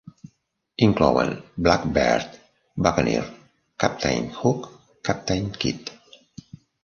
Inclouen "Blackbeard", "Buccaneer", "Captain Hook", "Captain Kidd.